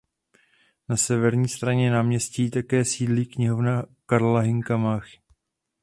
Na severní straně náměstí také sídlí Knihovna Karla Hynka Máchy.